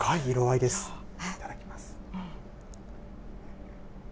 いただきます。